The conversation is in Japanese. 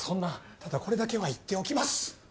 ただこれだけは言っておきます。